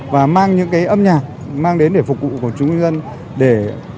và mang những cái âm nhạc mang đến để phục vụ quần chúng nhân dân